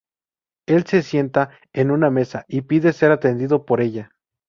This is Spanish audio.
Él se sienta en una mesa y pide ser atendido por ella.